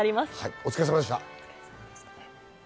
お疲れ様でした。